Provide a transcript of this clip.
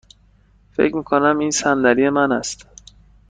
فکر می کنم این صندلی من است.